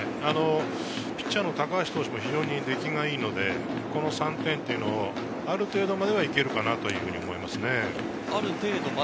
ピッチャー・高橋投手も出来がいいので、この３点は、ある程度まではいけるかなと思いますね。